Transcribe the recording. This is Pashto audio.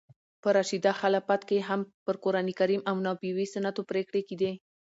په راشده خلافت کښي هم پر قرانکریم او نبوي سنتو پرېکړي کېدې.